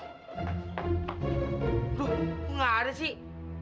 aduh kok nggak ada sih